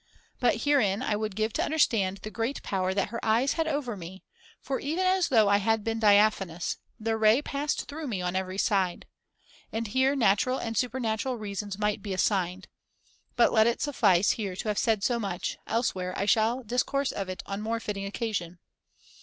But herein I would give to understand the great power that her eyes had over me, for even as though I had been diaphanous, their ray passed through me on every side. And here natural and supernatural reasons might be [^403 assigned, but let it suffice here to have said so much ; elsewhere I shall discourse of it on more fitting occasion.